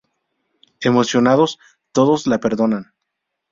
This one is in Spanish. Emocionados, todos la perdonan.